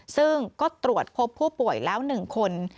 ซึ่งก็ตรวจพบผู้ป่วยแล้ว๑คน